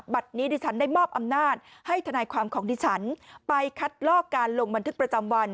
นี้ดิฉันได้มอบอำนาจให้ทนายความของดิฉันไปคัดลอกการลงบันทึกประจำวัน